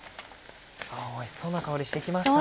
おいしそうな香りしてきました。